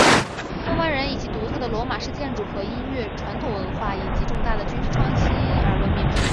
诺曼人以其独特的罗马式建筑和音乐传统文化以及重大的军事创新而闻名。